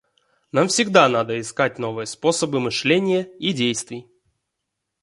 Нам всегда надо искать новые способы мышления и действий.